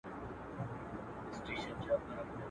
سر چي د شال وړ وي د کشميره ور ته راځي.